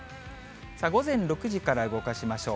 午前６時から動かしましょう。